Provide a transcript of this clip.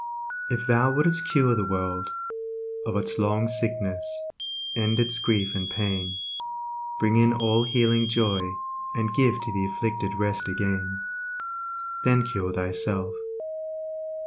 If thou would'st cure the world Of its long sickness, end its grief and pain; Bring in all healing joy, And give to the afflicted rest again, Then cure thyself.